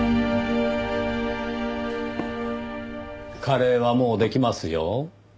カレーはもうできますよ。